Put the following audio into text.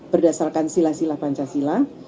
berdasarkan silah silah pancasila